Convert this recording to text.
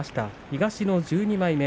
東の１２枚目